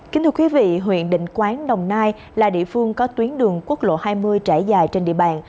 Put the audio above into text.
kính thưa quý vị huyện định quán đồng nai là địa phương có tuyến đường quốc lộ hai mươi trải dài trên địa bàn